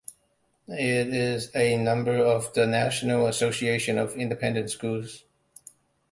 It is a member of the National Association of Independent Schools.